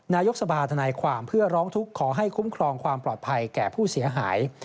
นายกสภาธนายความเพื่อร้องทุกข์ขอให้คุ้มครองความปลอดภัยแก่ผู้เสียหาย